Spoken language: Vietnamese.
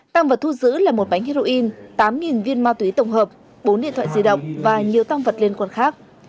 tăng vật thu giữ là một bánh heroin tám viên ma túy tổng hợp bốn điện thoại di động và nhiều tăng vật liên quan khác